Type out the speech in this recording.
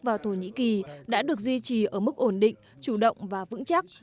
vào thổ nhĩ kỳ đã được duy trì ở mức ổn định chủ động và vững chắc